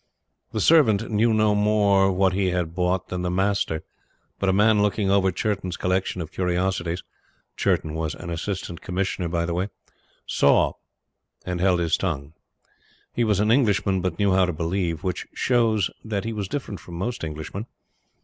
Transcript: The servant knew no more what he had bought than the master; but a man looking over Churton's collection of curiosities Churton was an Assistant Commissioner by the way saw and held his tongue. He was an Englishman; but knew how to believe. Which shows that he was different from most Englishmen.